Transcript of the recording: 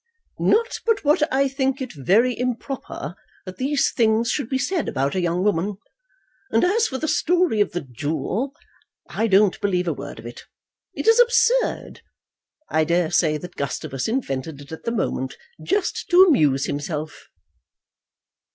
"Not but what I think it very improper that these things should be said about a young woman; and as for the story of the duel, I don't believe a word of it. It is absurd. I dare say that Gustavus invented it at the moment, just to amuse himself."